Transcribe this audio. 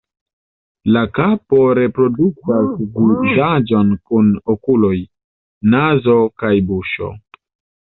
La kapo reproduktas vizaĝon kun okuloj, nazo kaj buŝo.